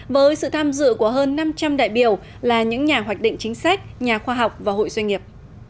với sự tham dự của hơn năm trăm linh đại biểu là những nhà hoạch định chính sách nhà khoa học và hội doanh nghiệp